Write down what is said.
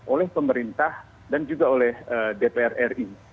oleh pemerintah dan juga oleh dpr ri